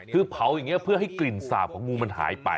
คือเผาอย่างนี้เพื่อให้กลิ่นสาบของงูมันหายไป